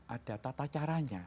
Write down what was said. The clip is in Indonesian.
ada tata caranya